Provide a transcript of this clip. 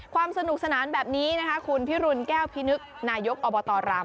ความสนุกสนานแบบนี้นะคะคุณพิรุณแก้วพินึกนายกอบตรราม